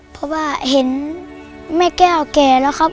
เพราะว่าเห็นแม่แก้วแก่แล้วครับ